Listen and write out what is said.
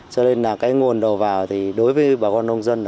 cho nên nguồn đầu vào đối với bà con nông dân